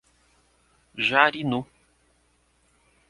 Jarinu